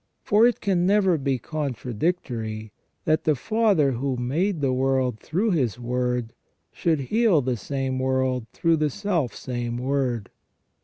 For it can never be contradictory, that the Father who made the world through His Word should heal the same world through the self same Word.